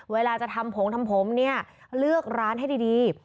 เวลาจะทำผงทำผมเนี่ยเลือกร้านให้ดี